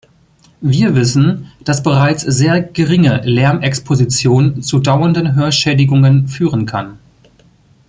Wir wissen, dass bereits sehr geringe Lärmexposition zu dauernden Hörschädigungen führen kann.